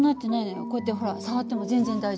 こうやってほら触っても全然大丈夫なの。